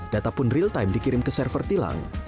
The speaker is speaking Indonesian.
data pun real time dikirim ke server tilang